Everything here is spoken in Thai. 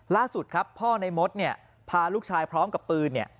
ล่าสุดครับพ่อในมศพาลูกชายพร้อมกับปืน